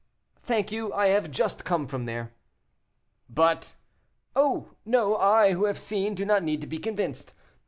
"Thank you, I have just come from there." "But " "Oh! no; I, who have seen, do not need to be convinced.